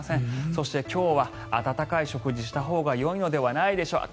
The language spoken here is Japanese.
そして今日は温かい食事をしたほうがよいのではないでしょうか。